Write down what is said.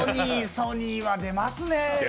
ソニーは出ますね。